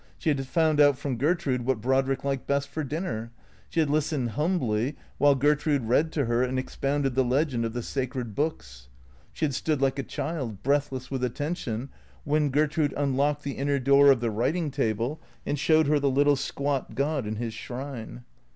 She had found out from Gertrude what Brodrick liked best for dinner. She had listened humbly while Gertrude read to her and expounded the legend of the sacred Books. She had stood like a child, breathless with attention, when Gertrude unlocked the inner door of the writing table and showed her the little squat god in his shrine.